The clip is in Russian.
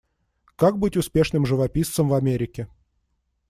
Как быть успешным живописцем в Америке.